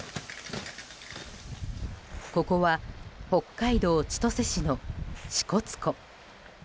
ここは北海道千歳市の支笏湖。